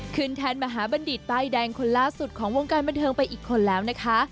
แทนมหาบัณฑิตป้ายแดงคนล่าสุดของวงการบันเทิงไปอีกคนแล้วนะคะ